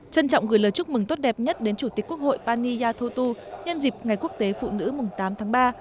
trân trọng gửi lời chúc mừng tốt đẹp nhất đến chủ tịch quốc hội pani yathotu nhân dịp ngày quốc tế phụ nữ mùng tám tháng ba